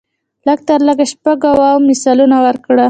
لږ تر لږه شپږ اووه مثالونه ورکړو.